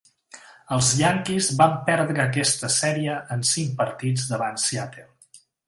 Els Yankees van perdre aquesta sèrie en cinc partits davant Seattle.